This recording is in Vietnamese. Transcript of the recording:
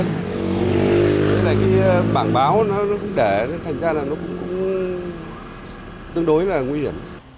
thế này cái bảng báo nó cũng để thành ra nó cũng tương đối là nguy hiểm